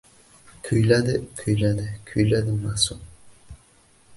Kuyladi, kuyladi, kuyladi ma’sum.